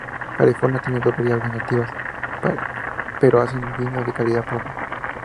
California tiene dos variedades nativas, pero hacen vino de calidad pobre.